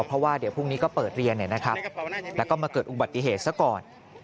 เพราะว่าเดี๋ยวพรุ่งนี้ก็เปิดเรียนแล้วก็มาเกิดอุบัติเหตุซะก่อน